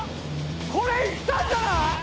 これいったんじゃない？